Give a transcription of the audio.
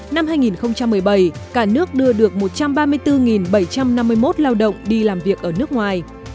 năm hai nghìn một mươi bảy cả nước đưa được một trăm ba mươi bốn bảy trăm năm mươi một lao động đi làm việc ở nước ngoài